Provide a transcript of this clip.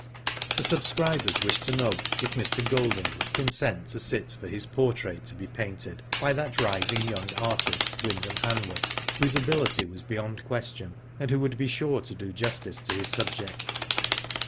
The subscribers wished to know if Mr. Golding would consent to sit for his portrait to be painted by that raising young artist, Wyndham Hanworth, whose ability was beyond question, and who would be sure to do justice to his subject.